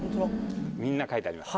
みんな書いてあります